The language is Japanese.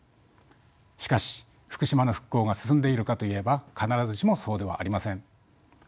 しかし福島の復興が進んでいるかといえば必ずしもそうではありません。